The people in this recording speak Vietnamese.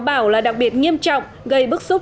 bảo là đặc biệt nghiêm trọng gây bức xúc